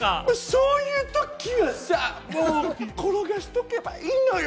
そういう時はさ、もう転がしとけばいいのよ！